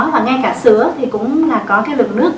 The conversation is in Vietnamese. và ngay cả sữa thì cũng là có cái lượng nước